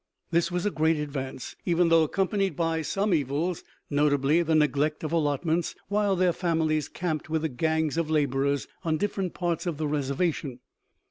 This was a great advance even though accompanied by some evils, notably the neglect of allotments while their families camped with the gangs of laborers on different parts of the reservation.